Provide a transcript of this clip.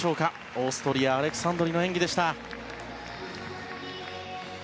オーストリアのアレクサンドリの演技でした。